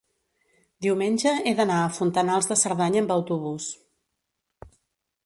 diumenge he d'anar a Fontanals de Cerdanya amb autobús.